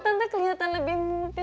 tante kelihatan lebih muda